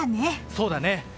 そうだね。